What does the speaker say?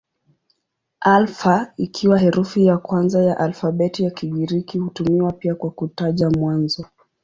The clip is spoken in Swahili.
Alfa ikiwa herufi ya kwanza ya alfabeti ya Kigiriki hutumiwa pia kwa kutaja mwanzo.